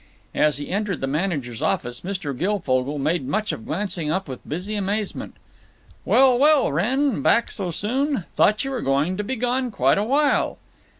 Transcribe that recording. As he entered the manager's office Mr. Guilfogle made much of glancing up with busy amazement. "Well, well, Wrenn! Back so soon? Thought you were going to be gone quite a while."